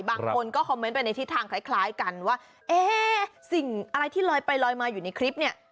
บางคนก็คอมเมนต์ไปในทิศทางคล้ายกันว่าเอ๊ะสิ่งอะไรที่ลอยไปลอยมาอยู่ในคลิปเนี่ย